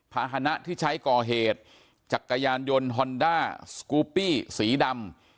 ภาษณะที่ใช้ก่อเหตุจักรยานยนต์ฮอนด้าสกูปปี้สีดำ